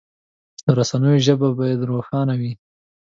د رسنیو ژبه باید روښانه وي.